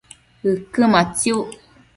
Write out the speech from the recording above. ëquë matsiuc